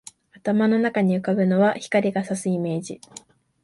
頭の中に浮ぶのは、光が射すイメージ